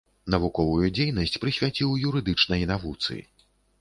Навуковую дзейнасць прысвяціў юрыдычнай навуцы.